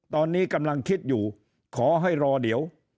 ตอนนี้กำลังคิดอยู่ขอให้รอเดี๋ยว